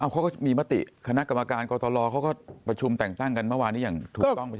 เขาก็มีมติคณะกรรมการกตลเขาก็ประชุมแต่งตั้งกันเมื่อวานนี้อย่างถูกต้อง